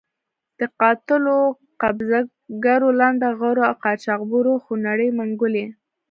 د قاتلو، قبضه ګرو، لنډه غرو او قاچاق برو خونړۍ منګولې.